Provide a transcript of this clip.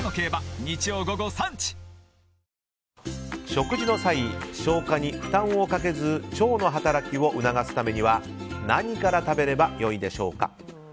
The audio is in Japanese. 食事の際、消化に負担をかけず腸の働きを促すためには何から食べればよいでしょうか。